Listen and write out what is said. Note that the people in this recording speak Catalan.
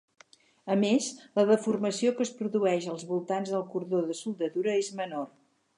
A més, la deformació que es produeix als voltants del cordó de soldadura és menor.